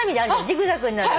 ジグザグになる。